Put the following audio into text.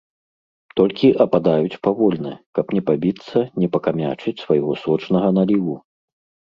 Толькі ападаюць павольна, каб не пабіцца, не пакамячыць свайго сочнага наліву.